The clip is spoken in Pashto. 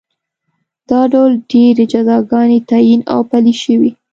دا ډول ډېرې جزاګانې تعین او پلې شوې